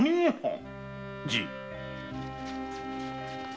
じい。